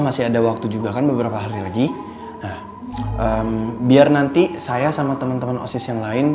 masih ada waktu juga kan beberapa hari lagi nah biar nanti saya sama teman teman osis yang lain